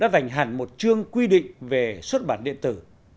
lựa đổi đã dành hẳn một chương quy định về xuất bản điện tử